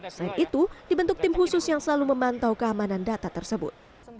selain itu dibentuk tim khusus yang selalu memantau keamanan data tersebut